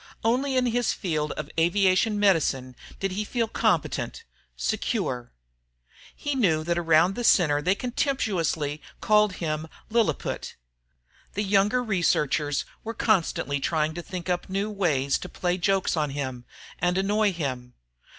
Only in his field of aviation medicine did he feel competent, secure. He knew that around the center they contemptuously called him "Lilliput." The younger researchers were constantly trying to think up new ways to play jokes on him, and annoy him.